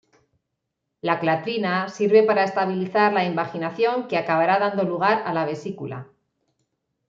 La clatrina sirve para estabilizar la invaginación que acabará dando lugar a la vesícula.